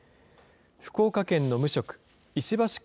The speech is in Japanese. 福岡県の無職、石橋